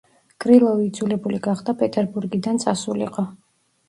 კრილოვი იძულებული გახდა პეტერბურგიდან წასულიყო.